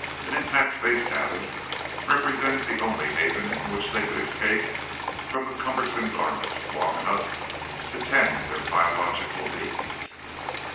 An intact space cabin represented the only haven in which they could escape from the cumbersome garments long enough to tend their biological needs.